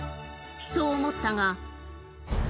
そう思ったが。